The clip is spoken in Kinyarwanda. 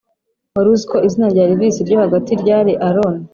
wari uziko izina rya elvis ryo hagati ryari aron